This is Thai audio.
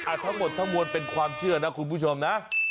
ทั้งหมดทั้งมวลเป็นความเชื่อนะคุณผู้ชมนะ